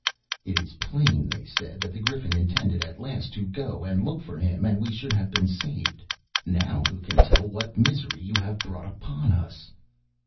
"It is plain," they said, "that the Griffin intended at last to go and look for him, and we should have been saved. Now who can tell what misery you have brought upon us."